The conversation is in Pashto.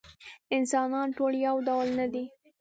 انسانان ټول یو ډول نه دي.